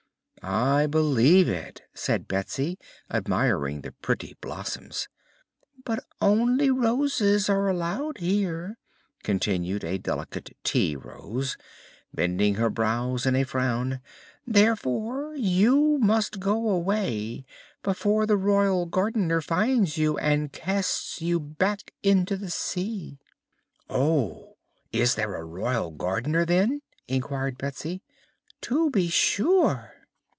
"I believe it," said Betsy, admiring the pretty blossoms. "But only Roses are allowed here," continued a delicate Tea Rose, bending her brows in a frown; "therefore you must go away before the Royal Gardener finds you and casts you back into the sea." "Oh! Is there a Royal Gardener, then?" inquired Betsy. "To be sure."